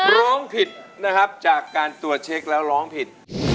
ร้องผิดนะครับจากการตรวจเช็คแล้วร้องผิด